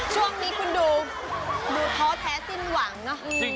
ช่วงนี้คุณดูท้อแท้สิ้นหวังเนอะ